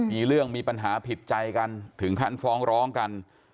มีเรื่องมีปัญหาผิดใจกันถึงขั้นฟ้องร้องกัน